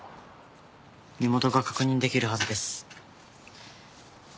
身元が確認出来るはずです。